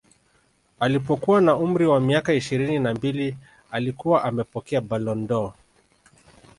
Alipokuwa na umri wa miaka ishirini na mbili alikuwa amepokea Ballon dOr